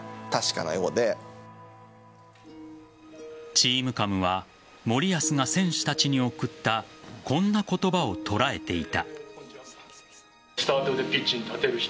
ＴｅａｍＣａｍは森保が選手たちに送ったこんな言葉を捉えていた。